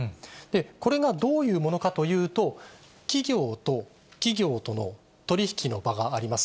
これがどういうものかというと、企業と企業との取り引きの場があります。